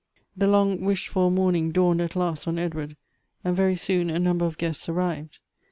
THE long wished for morning dawned at last on Ed ward ; and very soon a number of guests arrived.